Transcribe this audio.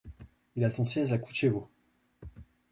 Il a son siège à Kučevo.